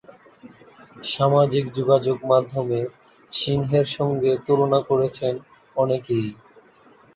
সামাজিক যোগাযোগ মাধ্যমে সিংহের সঙ্গে তুলনা করছেন অনেকেই।